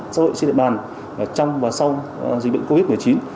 xã hội trên địa bàn trong và sau dịch bệnh covid một mươi chín